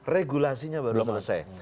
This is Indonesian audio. regulasinya baru selesai